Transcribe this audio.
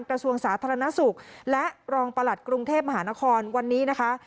กระทรวงสาธารณสุขและรองประหลัดกรุงเทพมหานครวันนี้นะคะ